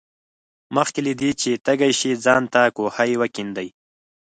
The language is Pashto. مخکې له دې چې تږي شې ځان ته کوهی وکیندئ.